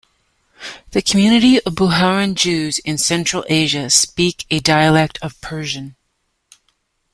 The community of Bukharian Jews in Central Asia speak a dialect of Persian.